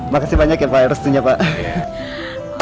makasih banyak ya pak restunya pak